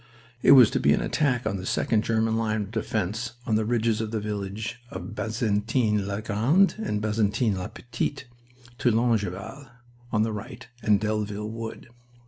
It was to be an attack on the second German line of defense on the ridges by the village of Bazentin le Grand and Bazentin le Petit to Longueval on the right and Delville Wood.